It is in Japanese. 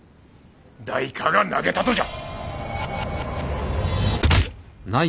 誰かが投げたとじゃ。